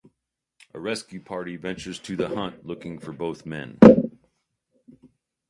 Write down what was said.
A rescue party ventures to the hut looking for both men.